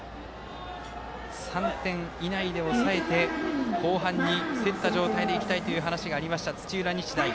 ３点以内で抑えて後半に競った状態でいきたいという話がありました、土浦日大。